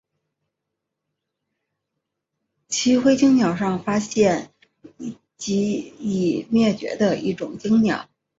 奇辉椋鸟上发现及已灭绝的一种椋鸟。